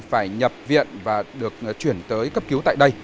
phải nhập viện và được chuyển tới cấp cứu tại đây